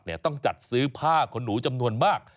ต้องจัดซื้อผ้าขนหนูจำนวนมาก